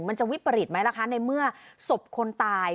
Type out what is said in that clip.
มันจะวิปริตไหมล่ะคะในเมื่อศพคนตาย